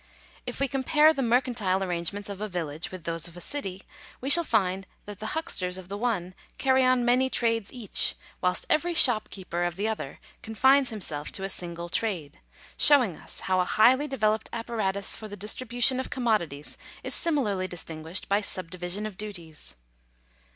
If we compare the mercantile arrangements of a village with those of a city, we shall find that the huxters of the one carry on many trades each, whilst every shopkeeper of the other confines himself to a single trade ; showing us how a highly developed apparatus for the distribution of commodi Digitized by VjOOQIC THE LIMIT OF STATE DUTY. 275 ties is similarly distinguished by subdivision of duties.